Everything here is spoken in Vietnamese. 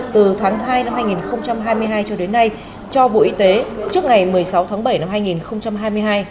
từ tháng hai năm hai nghìn hai mươi hai cho đến nay cho bộ y tế trước ngày một mươi sáu tháng bảy năm hai nghìn hai mươi hai